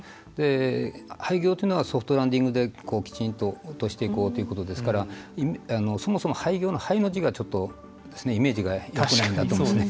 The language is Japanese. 廃業というのはソフトランディングで、きちんと落としていこうということですからそもそも廃業の「廃」の字がイメージがよくないと思います。